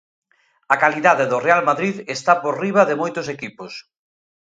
A calidade do Real Madrid está por riba de moitos equipos.